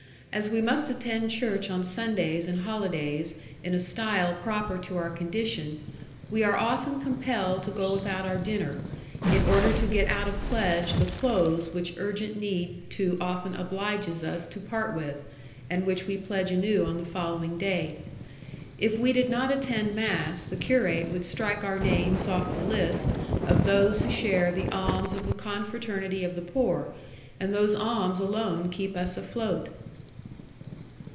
As we must attend church on Sundays and holidays in a style proper to our condition, we are often compelled to go without our dinner, in order to get out of pledge the clothes which urgent need too often obliges us to part with, and which we pledge anew on the following day. If we did not attend mass, the curate would strike our names off the list of those who share the alms of the Confraternity of the Poor, and those alms alone keep us afloat."